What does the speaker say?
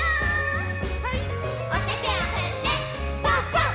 おててをふってパンパン！